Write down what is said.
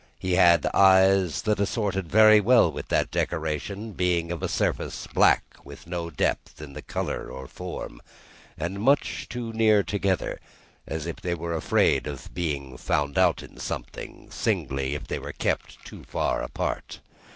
He had eyes that assorted very well with that decoration, being of a surface black, with no depth in the colour or form, and much too near together as if they were afraid of being found out in something, singly, if they kept too far apart.